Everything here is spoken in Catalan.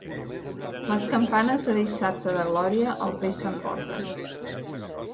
Les campanes del Dissabte de Glòria el peix s'emporten.